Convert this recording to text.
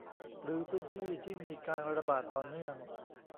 หรือพื้นที่ที่มีการระบาดต่อเนื่อง